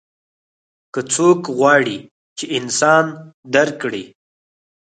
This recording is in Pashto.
که څوک غواړي چې انسان درک کړي.